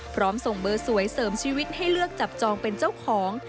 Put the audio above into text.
พร้อมส่งเบอร์สวยเสริมชีวิตให้เลือกจับจองเป็นเจ้าของ